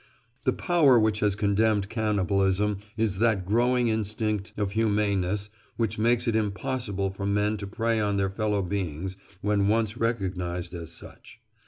The power which has condemned cannibalism is that growing instinct of humaneness which makes it impossible for men to prey on their fellow beings when once recognised as such.